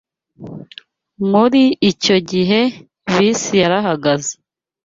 Muri icyo gihe, bisi yarahagaze.